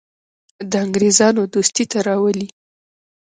د انګرېزانو دوستي ته راولي.